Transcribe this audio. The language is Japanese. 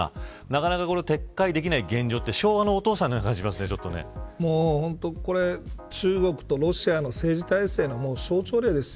なかなか撤回できない現状って昭和のお父さんのようなこれ中国とロシアの政治体制の象徴です。